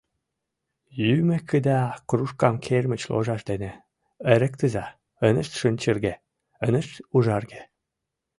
— Йӱмекыда, кружкам кермыч ложаш дене эрыктыза: ынышт шинчырге, ынышт ужарге.